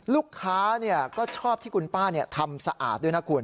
ลูกค้าก็ชอบที่คุณป้าทำสะอาดด้วยนะคุณ